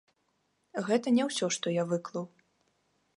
Гэта не ўсе што я выклаў.